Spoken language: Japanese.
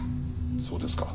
そうですか。